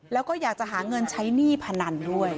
แล้วก็อยากจะหาเงินใช้หนี้พนันด้วย